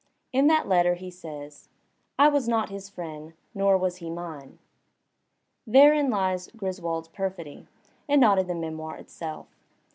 In that letter he says, "I was not his friend, nor was he mine." Therein lies Griswold's perfidy, and not in the memoir itself.